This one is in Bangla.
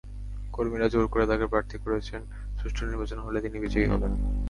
কর্মীরা জোর করে তাঁকে প্রার্থী করেছেন, সুষ্ঠু নির্বাচন হলে তিনি বিজয়ী হবেন।